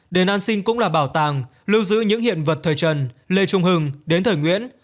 đền an sinh cũng là bảo tàng lưu giữ những hiện vật thời trần lê trung hưng đến thời nguyễn